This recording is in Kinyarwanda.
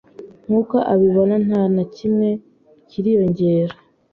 Nkuko abibona ntanakimwe kiriyongera